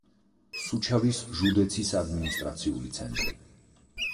სუჩავის ჟუდეცის ადმინისტრაციული ცენტრი.